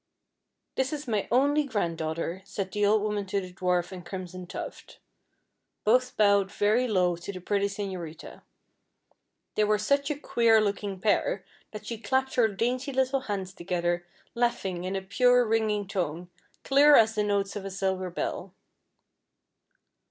"This is my only granddaughter," said the old woman to the dwarf and Crimson Tuft. Both bowed very low to the pretty señorita. They were such a queer looking pair, that she clapped her dainty little hands together laughing in a pure ringing tone, clear as the notes of a silver bell.